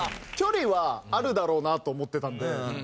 距離はあるだろうなと思ってたんで。